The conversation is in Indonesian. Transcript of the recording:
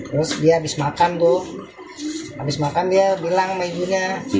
terus dia habis makan bu abis makan dia bilang sama ibunya